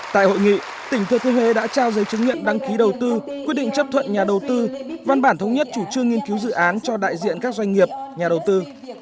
tại hội nghị tỉnh thừa thiên huế đã trao giấy chứng nhận đăng ký đầu tư quyết định chấp thuận nhà đầu tư văn bản thống nhất chủ trương nghiên cứu dự án cho đại diện các doanh nghiệp nhà đầu tư